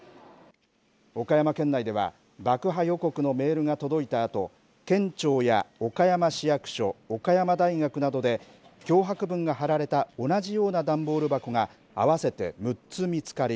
岡山県内では爆破予告のメールが届いたあと県庁や岡山市役所岡山大学などで脅迫文が貼られた同じような段ボール箱が合わせて６つ見つかり